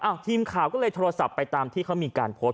ทีมข่าวก็เลยโทรศัพท์ไปตามที่เขามีการโพสต์